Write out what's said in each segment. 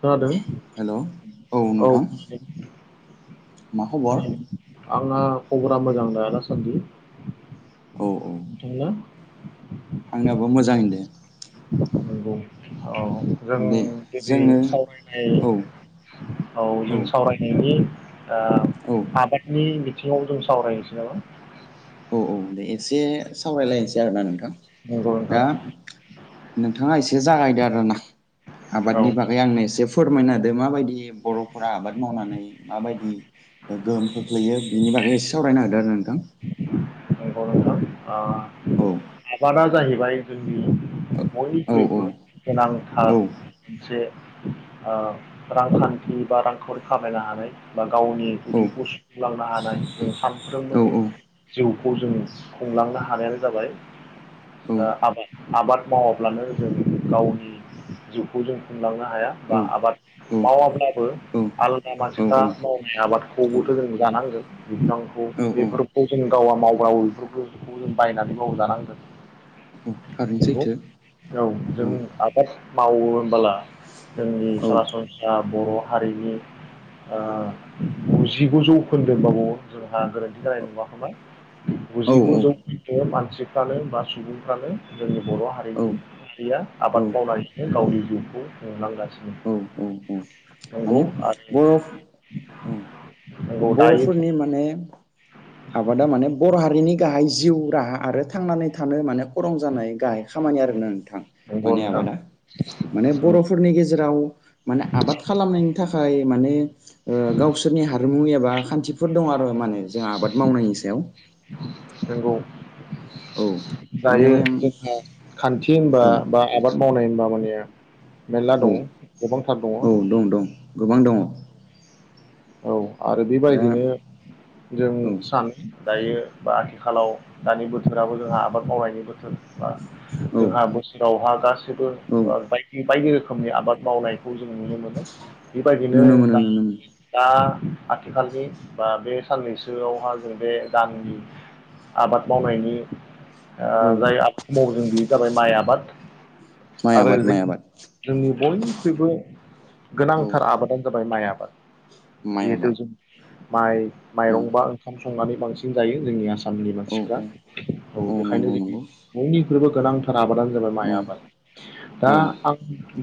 खोनादों हेलौ औ मा खबर औ [inaudible] आंना खबरा मोजां दा दासान्दि औ [unintelligible] आंनियाबो मोजाङैनो दे नंगौ औ जों दे दिनै जोङो सावरायनाय औ औ जों सावरायनायनि ओ औ आबादनि बिथिङाव जों सावरायसै नामा? औ औ दे एसे सावरायलायनोसै आरोना नोंथां? नंगौ नोंथां दा नोंथाङा एसे जागायदो आरोना औ आबादनि बागै आंनो एसे फोरमायना जे माबायदि बर'फोरा आबाद मावनानै माबायदि ओ गोहोम खोख्लैयो बिनि बागै एसे सावरायना होदो आरो नोंथां। नंगौ नोंथां। औ अ [unintelligible] जाहैबाय जोंनि औ औ बयनिख्रुयबो गोनां आ औ मोनसे ओ रांखान्थि बा रांखावरि खामायनो हानाय बा गावनि उदिखौ सुफुंलांनो हानाय जों औ सानफ्रोमबोनि जिउ खौ जों खुंलांनो हानायानो जाबाय औ ओ आबाद आबाद मावाब्लानो जों गावनि जिउखौ जों खुंलांनो हाया बा औ आबाद मावाब्लाबो आलादा मानसिफ्रा मावनाय औ आबादखौबोथ जों जानांगोन बिफांखौ औ औ बेफोरखौ जों गावा माव [unintelligible] फोरखौ इखौ जों बायनानै बाबो जानांगोन। औ थारैनो नंगौ सैथो औ जों आबाद मावो ओनबोला जोंनि सरासनस्रा बर' हारिनि ओ गुजिगु जौखोन्दो जोंहा गोरोन्थि जानाय नङा खोमा। औ गुजिगु जौखोदो मानसिफ्रानो बा सुबुंफ्रानो जोंनि बर' हारिनि रिया औ आबाद मावनानैनो गावनि जिउखौ खुंलांगासिनो औ औ औ नंगौ माने आरो बर' नंगौ दायोथ' बर'फोरनि माने आबादा माने बर' हाथ बिनि गाहाय जिउ राहा आरो थांनानै थानो मानो खरं जानाय गाहाय खामानि आरोना नोंथां नंगौ माने नोंथां आबादा माने बर'फोरनि गेजेराव माने आबाद खालामनायनि थाखाय माने ओ गावसोरनि हारिमु एबा खान्थिफोर दं आरो माने जों आबाद मावनायनि सायाव। नंगौ औ माने दायो जोंहा खान्थि होनबा औ बा आबाद मावनाय [unintelligible] मेल्ला औ दं गोबांथार दङ। औ दं दं गोबां दङ। औ आरो दा बेबायदिनो जों औ सान दायो बा आथिखालाव दानि बोथोराबो जोंहा आबाद मावनायनि बोथोर बा औ जोंहा बोसोरावहा दास [unintelligible] औ बाइदि बाइदि रोखोम रोखोमनि आबाद मावनायखौ जों नुनो मोनो। बेबायदिनो नुनो मोनो दा नुनो मोनो दा आथिखालनि बा बे साननैसोआवहा जों बे दाननि आबाद मावनायनि औ जाय आ [unintelligible] माव ओं बि जाबाय माया आबाद माइ आरो आबाद माइ आबाद जोंनि बयनिख्रुइबो औ गोनांथार आबादानो जाबाय माइ आबाद माइ जिहेतु आबाद जों माइ औ माइरं बा ओंखाम संनानै बांसिन जायो जोंनि आस सामनि औ मानसिफ्रा औ बेखायनो नंगौ जोंनि नंगौ बयनिख्रुइबो गोनांथार आबादानो जाबाय औ माइ आबाद दा औ आं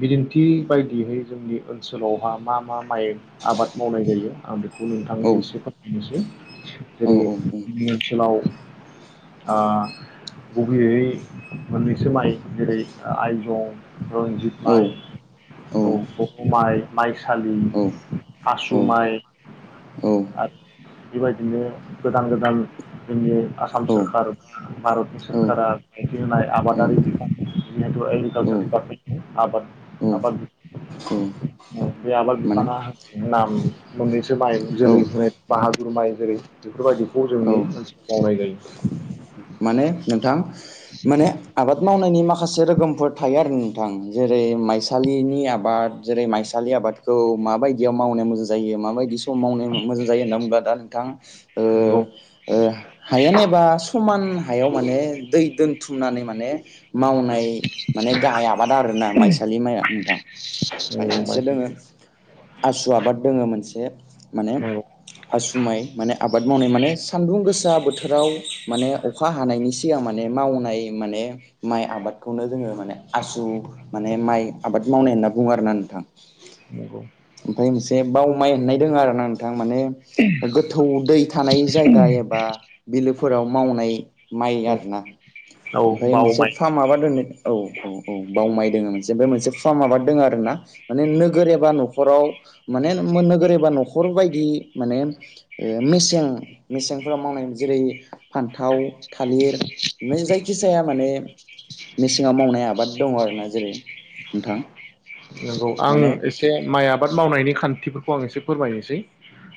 बिदिन थि बायदियै जोंनि ओनसोलावहा मा मा माइ आबाद मावनाय जायो आं बि खौ औ नोंथांनो एसे फोरमायनोसै औ जेरै जोंनि ओनसोलाव ओ गुबैयै मोननैसो माइ जेरै आइजं रन्जित औ माइ औ ब माइ माइसालि आसु माइ आरो बेबायदिनो गोदान गोदान जोंनि आसाम सोरखार बा भारतनि सोरखारा गनायथि होनाय आबादारि बिफान जिहेथु एग्रिकालसार दिपार्टमेन्ट आबाद आबाद बे आबाद माने बिफाना नाम मोननैसो माइ औ जोलै होनाय बाहादुर माइ जेरै बेफोरबायदिखौ औ जोंनि ओनसोलाव मावनाय जायो माने नोंथां माने आबाद मावनायनि माखासे रोखोमफोर थायो आरो नोंथां, जेरै माइसालिनि आबाद, जेरै माइसालि आबादखौ माबायदियाव मावनाय मोजां जायो, माबायदि समाव मावनो मोजां जायो होनना बुंब्ला दा नोंथां ओ नंगौ ओ हायेन एबा समान हायाव माने दै दोनथुमनानै माने मावनाय माने गाहाय आबाद आरोना माइसालि माइआ नोंथां। ओमफ्राय नंगौ मोनसे माइसालि दोङो आसु आबाद दोङो मोनसे बे माने नंगौ आसुमाइ माने आ बाद मावनाय माने सानदुं गोसा बोथोराव माने अ नायनि सिगां माने मावनाय माने माइ आबादखौनो जोङो माने आसु माने माइ आबाद मावनाय होनना बुङो आरो ना नोंथां नंगौ ओमफ्राय मोनसे बाव माइ होननाय दङ आरोना नोंथां थां माने गोथौ दै थानाय जायगा एबा बिलोफोराव मावनाय माइ आरोना औ ओमफ्राय बाव मोनसे माइ फार्म माबा दोननो औ औ औ बाव माइ दङो मोनसे ओमफ्राय मोनसे फार्म माबा दोङो आरो ना माने नोगोर एबा नखराव माने मोनोगोर एबा नखर नखर बायदि माने ओ मेसें मेसेंफोराव मावनाय जेरै फान्थाव थालिर नै जायखि जाया माने मे से नोंथां नंगौ आं माने एसे माइ आबाद मावनायनि खान्थि थिफोरखौ आं एसे फोरमायनोसै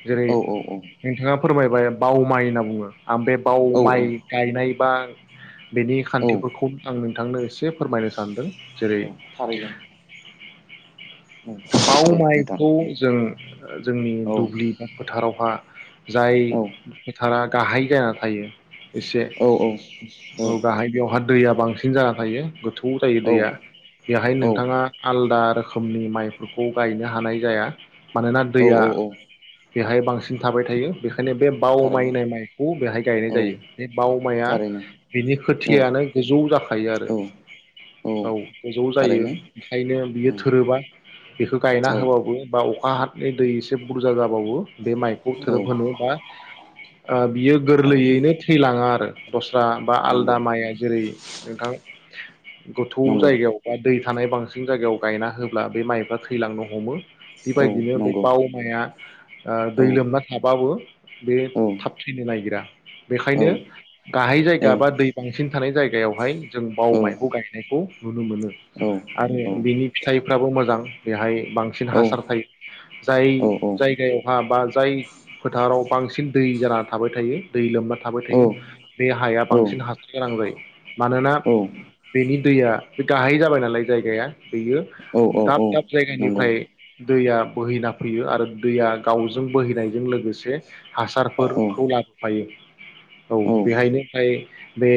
जेरै औ औ नोंथाङा फोरमायबाय बावमाइ होनना बुङो आं बे बाव औ माइ गायनाय बा बेनि औ औ खान्थिफोरखौ आं थांनो एसे फोरमायनो सानदों जेरै थारैनो औ बाव दे नोंथां मावखौ जों ओ जोंनि औ दुब्लि फोथारावहा जाय औ फोथारा गाहाय जाना थायो एसे औ औ गाहाय बेवहाय दैया बांसिन जाना थायो गोथौ बौ जायो औ दैया बेहाय नोंथाङा आलदा रोखोमनि माइ फोरखौ गायनो हानाय जाया मानोना दैया औ औ बेहाय बांसिन थाबाय थायो बे ओंखायनो बे बाव थारैनो माइनाय माइखौ बेहाय गायनाय औ जायो बे बाव माइआ थारैनो बिनि औ खोथियानो गोजौ जाखायो आरो औ औ गोजौ जायो थारैनो ओखायनो बियो औ थोरोबा बेखौ गायना औ होबावो बा अखा हानि दै एसे बुरजा जाबा बावो बे माइखौ थोरोब औ होनो बा ओ। बियो थारैनो गोरलैयैनो थैलाङा आरो। बस बा बा नंगौ आलदा माइ जेरै नोंथां गोथौ नंगौ जायगायाव बा दै। हानाय बांसिन जायगायाव गायना होब्ला। बे माइफा थैलांनो हमो। औ बेबायदिनो बे नंगौ बावमाया ओ औ दै लोमना थाबावो। बे औ थाब थैनो नागिरा। बेखायनो औ गाहाय औ जायगा बा दै बांसिन थानाय जायगायावहाय जों बाव औ माइखौ गायनायखौ नुनो मोनो औ आरो बिनि फिथाइफ्राबो मोज जां बेहाय बांसिन औ हासार थायो जाय औ जायगायावहा बा जाय फोथाराव बांसिन दै जाना थाबाय थायो दै लोमबा थाबाय थायो बे हाया बांसिन हासार गोनां जायो मानोना बेनि दैया बे गाहाय जाबाय नालाय जायगाया बेयो। दाब औ औ दाब जायगानि नंगौ ओमफ्राय दैया बोहैना फैयो आरो दैया गावजों बोहैनायजों लोगोसे औ औ हासारफोरखौ लाबोफायो औ बेहायनो ओमफाय बे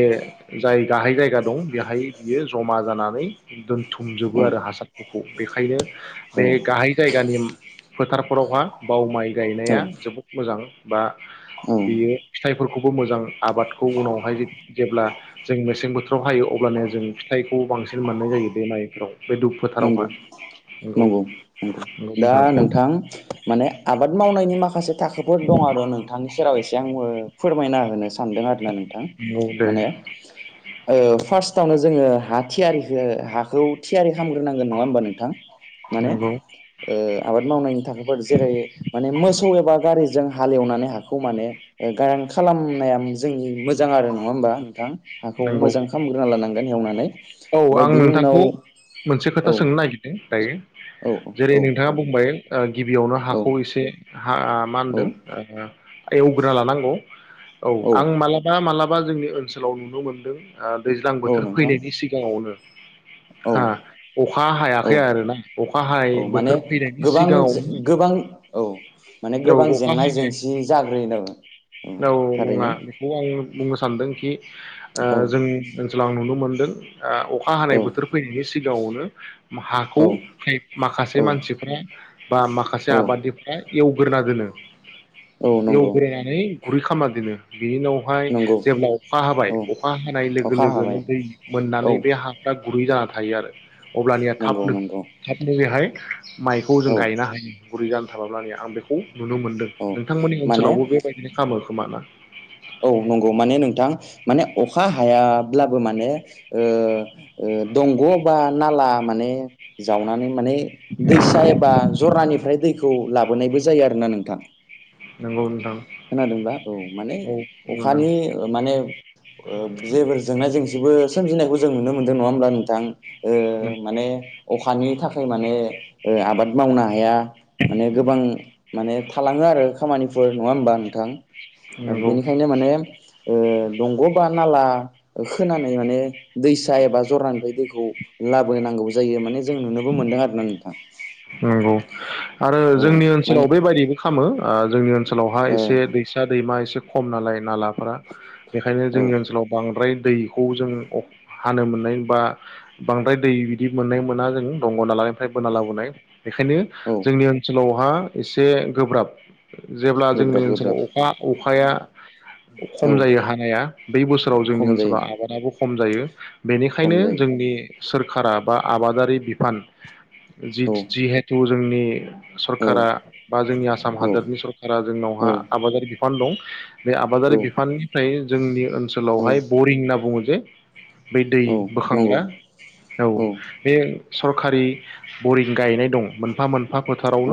जाय गाहाय जायगा दं बेहाय बियो जमा जानानै दोनथुमजोबो आरो हासार बेखायनो बे औ गाहाय जायगानि फोथारफोरावहा बाव माइ गायनाया औ जोबोद मोजां बा औ बियो फिथाइफोरखौबो मोजां आबादखौ उनावहाय जेब्ला जों मेसें बोथोराव हायो अब्लानोया जों फिथाइखौ बांसिन मोननाय जायो बे माइफोराव बे दुब फोथारावहा नंगौ नंगौ। दा नोंथां माने आबाद मावनायनि माखा माखासे थाखोफोर दङ आरो नोंथांनि सेराव एसे आंबो फोरमायना होनो सानदों आरोना नों थां नंगौ दे माने ओ र्पास्टावनो। जोङो हा थियारिखौ हाखौ थियारि खालामग्रोनांगोन नङा होमबा नोंथां। माने नंगौ। ओ आबाद मावनायनि थाखोफोर जेरै माने मोसौ एबा गा हारिजों हालेवनानै हाखौ माने ओ गारां खालामनाया जोंनि मोजां आरो नङा होमबा नोंथां हाखौ नंगौ मोजां खालामग्रोना लानां बिन एवनानै। औ ओमफ्राय आं बिनि उनाव नोंथांखौ मोनसे औ खोथा सोंनो नागिरदों दायो। औ औ जेरै नोंथाङा बुंबाय। गिबियावनो औ हाखौ एसे हा मा होनदों औ एवग्रोना लानांगौ। औ आं मालाबा मालाब बा जोंनि ओनसोलाव नुनो मोनदों। ओ दैज्लां औ बोथोर नोंथां फैनायनि सि गांवानो औ खा औ हायाखै आरो ना खा हायै औ माने बोथोर फैनायनि गोबां सिगांङावनो गोबां औ माने औ गोबां अखा जेंना हानाय जेंसि जाग्रोयो औ नंङा बेखौ आं बुंनो सानदों खि ओ औ जों ओनसोलाव आं नुनो मोन [unintelligible] ओ अखा हानाय औ बोथोर फैनायनि सि सिगांङावनो मा औ हाखौ माखासे औ मानसिफ्रा बा माखासे औ आबाद निफ्राय एवग्रोना दोनो औ नंगौ एवग्रोनानै गुरै खामना दोनो बिनि उनावहाय नंगौ जेब्ला अखा हाबाय औ अखा हानाय लोगो अखा लोगोनो हाबाय दै औ नानै बे हाफ्रा गुरै जाना थायो आरो। अब्लानिया नंगौ थाबनो नंगौ थाबनो बेहाय [inaudible] माइखौ जों औ गायनो हायो गुरै जा थाबाब्लानिया आं बेखौ नुनो मोनदों औ नोंथांमोननि माने ओनसोलावबो बेबायदिनो खामो। खोमाना? औ नंगौ माने नोंथां माने अखा हायाब्लाबो माने ओ ओ दंग' बा नाला माने जावनानै माने दैसा एबा जर ना निफ्राय दैखौ ला बोनाय बो जायो आरो ना नोंथां नोंगौ नोंथां। खोनादोंब्ला औ माने औ नंगौ अखानि नोंथां। ओ माने ओ जेबो जेंना जेंसि सिबो सोमजिनायखौ जों नुनो मोनदों नङा होमब्ला नोंथां? ओ माने अखानि थाखाय माने ओ आबाद मावनो हाया माने गोबां माने थालांङो आरो खामानि फोरनो नंङा होमबा नोंथां? ओ नंगौ बेनिखायनो माने ओ दंग बा नाला खोनानै माने दैसा एबा जरानिफ्राय दैखौ लाबोनांगौ जायो माने जों नुनोबो मोनदों आरोना नोंथां। नोंगौ आरो औ जोंनि ओनसोलाव माने बेबायदिबो खामो। ओ जोंनि‌ ओन सोलावहाय एसे दैसा दैमा एसे खम नालाय नाला फ्रा बेखायनो ओ जोंनि ओनसोलाव बांद्राय। दैखौ जों अख हानो मोननाय बा बांद्राय दै बिदि मोननाय मोना जों दंग नालाय ओमफ्राय बोना लाबोनाय। बेखायनो औ जोंनि ओनसोलावहा एसे गोब्राब। जेब्ला जोंनि गोब्राब ओनसोलाव गोब्राब अखा अखाया खम औ जायो हानाया बै बोसोराव जोंनि खम जायो ओनसोलाव आबादाबो। खम जायो। बेनिखायनो खम जायो जोंनि सोर कारा बा आबादारि बिफान। जि औ हेथु जोंनि औ सरकारा बा जोंनि आसाम औ हादोरनि सरकारा जोंनावहा औ आबादारि बिफान दं। बे आबादारि औ बिफाननिफ्राय जोंनि औ ओनसोलावहाय बरिं होनना बुङो बे बै दै औ नंगौ बोखांग्रा औ बे सरकारि बरि गायनाय दं मोनफा मोनफा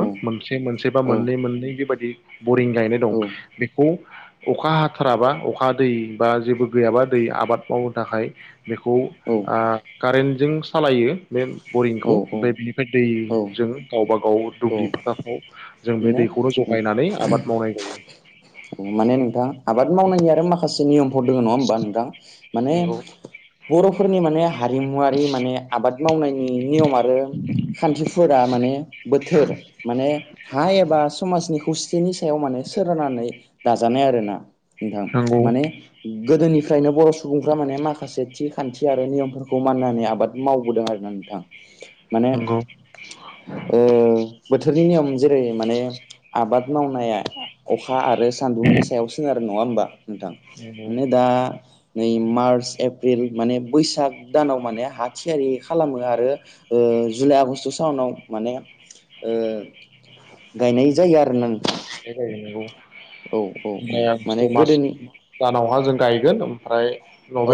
औ मोनसे मोनसे बा औ मोननै मोननै बेबायदि बरिं गायनाय दं औ बेखौ अखा हाथाराबा अखा दै बा जेबो गैयाबा दै आबाद मावनो थाखाय बेखौ औ आ कारेन्टजों सालायो बे बरिंखौ बे औ बि बे औ दैजों गावबा गाव औ दुब्लि फोथारफ्राव जों बे दैखौनो माने जगायनानै आबाद मावनाय जायो। माने नोंथां आबाद मावनायनि आरो माखासे नियम हर दोङो नङा होनोमबा नोंथां। माने नंगौ बरफोरनि माने हारिमुवारि माने आबाद मावनाय नि नियम आरो खान्थिफोरा माने बोथोर माने हा एबा समाजनि खौसेथिनि सायाव माने सोरानानै। दाजानाय आरो ना नोंथां नंगौ माने गोदोनिफ्राय फ्रायनो बर सुबुंफ्रा माने माखासे थि खान्थि आरो नियमफोरखौ माननानै आबाद मावबोदों आरोना नोंथां माने नंगौ ओ बोथोरनि नियम जेरै माने आबाद मावनाया अखा आरो बुंनि सायाव सोनार नङा होमबा? नोंथां नंगौ मे दा नै मार्च एप पिल माने बैसाग दानाव माने हा थियारि खालामो आरो। ओ जुलाइ आगष्ट थावनाव माने ओ गायनाय जायो आरो नों मे आगष्ट मास दानावहा जों गायगोन ओमफ्राय।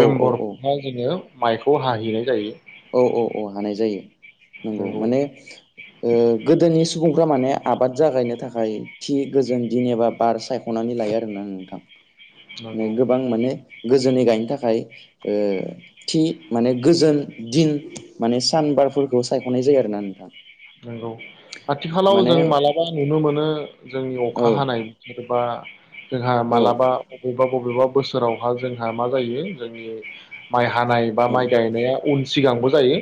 औ औ औ जोङो। माइखौ हाहैनाय जायो। औ औ औ हानाय जायो। नंगौ माने ओ गोदोनि सुबुंफ्रा माने आबाद जागायनो थाखाय थि गोजोन दिनिबा बार सायखनानै लायो आरोना नोंथां। नो नंगौ गोबां माने गोजोनै गायनो थाखाय ओ थि माने गोजोन। दिन माने सानबारफोरखौ सायखनाय जायो आरोना नोंथां। नंगौ आथिखालाव माने जों मालाबा नुनो मोनो जों औ अखा हानाय। बा जोंहा औ मालाबा [unintelligible] बबेबा बोसोरावहा जोंहा मा जायो जोंनि माइ हानाय बा माइ गायनाया उन सिगांबो जायो।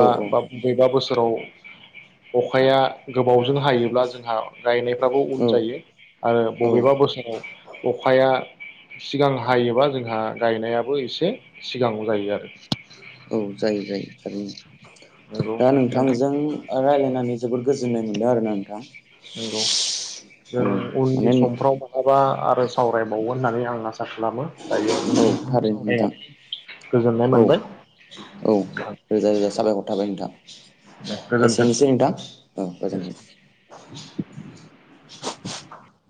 औ बा बेबा बोसोर [unintelligible] अखाया गोबावजों हायोब्ला जोंहा रायनायफ्राबो उन औ जायो आरो औ बबेबा बोसोराव अखाया सिगां हायोबा जोंहा गायनायाबो एसे सिगाङाव जायो आरो। औ जायो जायो। थारैनो नंगौ दा नोंथां नोंथांजों रायलायनानै जोबोद गोजोननाय मोनदों आरोना नोंथां। नंगौ जों औ उननि माने समफ्राव मालाबा आरो सावरायबावगोन। होननानै आं आसा सा खालामो दायो आं औ नोंथांजों थारैनो नोंथां सावरायनानै गोजोननाय औ मोनबाय औ गाहाम रोजा रोजा साबायखर थाबाय नोंथां एसेनोसै नोंथां औ गोजोनथों। [inaudible]